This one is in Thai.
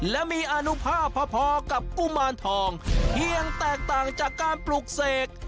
และมีอนุภาพพอกับกุมารทองเพียงแตกต่างจากการปลูกเสก